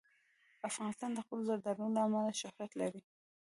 افغانستان د خپلو زردالو له امله شهرت لري.